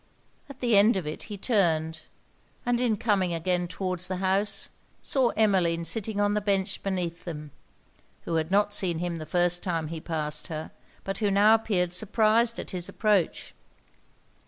At the end of it he turned, and, in coming again towards the house, saw Emmeline sitting on the bench beneath them, who had not seen him the first time he passed her, but who now appeared surprised at his approach.